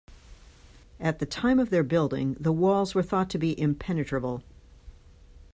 At the time of their building, the walls were thought to be impenetrable.